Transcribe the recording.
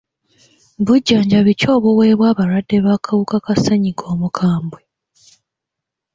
Bujjanjabi ki obuweebwa abalwadde b'akawuka ka ssenyiga omukambwe?